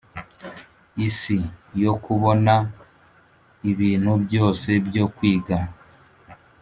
isi yo kubona, ibintu byose byo kwiga.